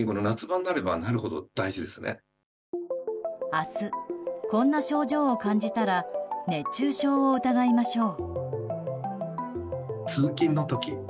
明日、こんな症状を感じたら熱中症を疑いましょう。